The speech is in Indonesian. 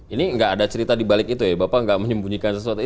ini nggak ada cerita di balik itu ya bapak nggak menyembunyikan sesuatu